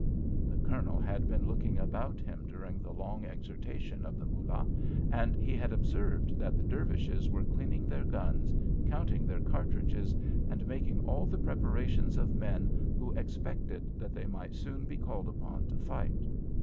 The Colonel had been looking about him during the long exhortation of the Moolah, and he had observed that the Dervishes were cleaning their guns, counting their cartridges, and making all the preparations of men who expected that they might soon be called upon to fight.